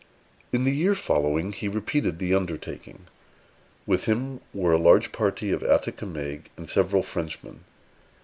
In the year following, he repeated the undertaking. With him were a large party of Atticamegues, and several Frenchmen.